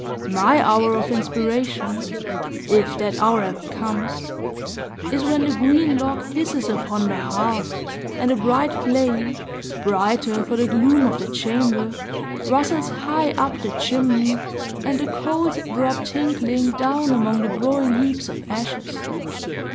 My hour of inspiration if that hour ever comes is when the green log hisses upon the hearth, and the bright flame, brighter for the gloom of the chamber, rustles high up the chimney, and the coals drop tinkling down among the growing heaps of ashes.